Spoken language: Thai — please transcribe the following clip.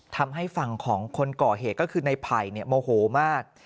ทำให้ฝั่งของคนก่อเหตุก็คือในไผ่โมโหมาก